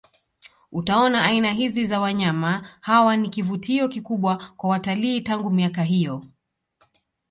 Utaona aina hizi za wanyama hawa ni kivutio kikubwa kwa watalii tangu miaka hiyo